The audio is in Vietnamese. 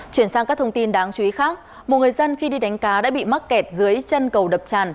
chuyển sang các thông tin đáng chú ý khác một người dân khi đi đánh cá đã bị mắc kẹt dưới chân cầu đập tràn